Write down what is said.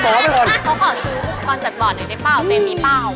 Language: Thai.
เขาขอซื้ออุปกรณ์จัดบอร์ดหน่อยได้เปล่าเตมีเปล่า